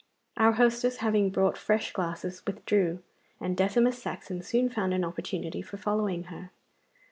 Our hostess, having brought fresh glasses, withdrew, and Decimus Saxon soon found an opportunity for following her.